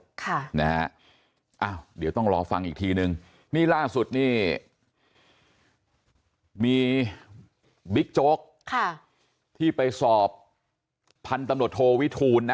ค่ะนะฮะอ้าวเดี๋ยวต้องรอฟังอีกทีนึงนี่ล่าสุดนี่มีบิ๊กโจ๊กค่ะที่ไปสอบพันธุ์ตำรวจโทวิทูลนะ